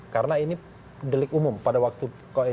karena ini delik umum pada waktu